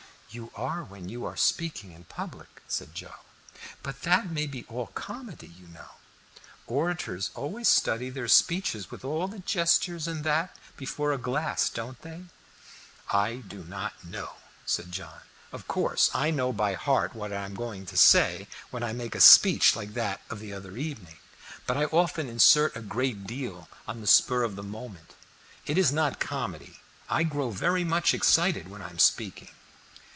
"You are when you are speaking in public," said Joe. "But that may be all comedy, you know. Orators always study their speeches, with all the gestures and that, before a glass, don't they?" "I do not know," said John. "Of course I know by heart what I am going to say, when I make a speech like that of the other evening, but I often insert a great deal on the spur of the moment. It is not comedy. I grow very much excited when I am speaking."